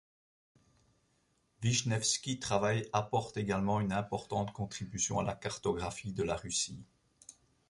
Vichnevski travaille apporte également une importante contribution à la cartographie de la Russie.